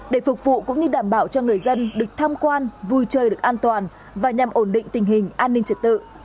để phục vụ cũng như đảm bảo cho người dân được tham quan vui chơi được an toàn và nhằm ổn định tình hình an ninh trật tự